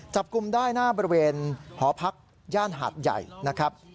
จับกลุ่มได้หน้าบริเวณหอพักย่านหาดใหญ่นะครับ